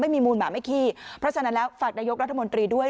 มูลหมาไม่ขี้เพราะฉะนั้นแล้วฝากนายกรัฐมนตรีด้วย